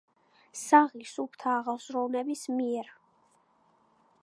საღი, სუფთა აზროვნების მიერ.